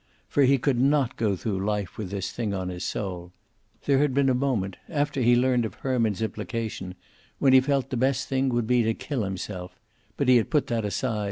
For he could not go through life with this thing on his soul. There had been a moment, after he learned of Herman's implication, when he felt the best thing would be to kill himself, but he had put that aside.